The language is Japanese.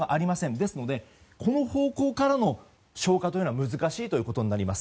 ですので、この方向からの消火は難しいということになります。